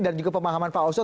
dan juga pemahaman pak oso